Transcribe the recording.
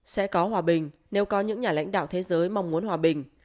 sẽ có hòa bình nếu có những nhà lãnh đạo thế giới mong muốn hòa bình